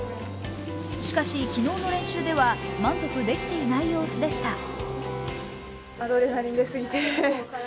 しかし昨日の練習では満足できていない様子でした。